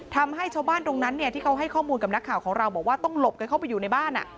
ทำให้ชาวบ้านตรงนั้นที่เขาให้ข้อมูลกับนักข่าวของเราบอกว่าต้องหลบกันเข้าไปอยู่ในบ้าน